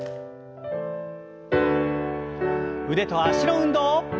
腕と脚の運動。